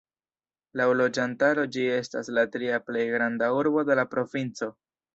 Laŭ loĝantaro ĝi estas la tria plej granda urbo de la provinco.